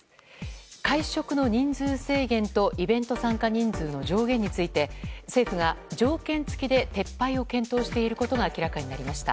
会食の人数制限とイベント参加人数の上限について政府が条件付きで撤廃を検討していることが明らかになりました。